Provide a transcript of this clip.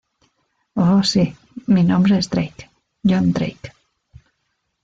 Oh sí, mi nombre es Drake, John Drake.